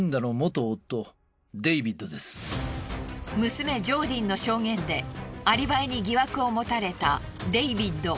娘ジョーディンの証言でアリバイに疑惑を持たれたデイビッド。